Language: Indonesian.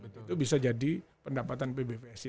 betul itu bisa jadi pendapatan pbvsi